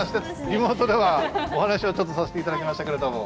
リモートではお話をちょっとさせて頂きましたけれども。